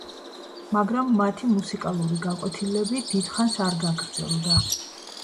მაგრამ მათი მუსიკალური გაკვეთილები დიდ ხანს არ გაგრძელდა.